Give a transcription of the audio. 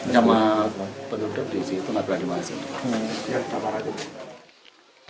sama penduduk di situ tidak berani masuk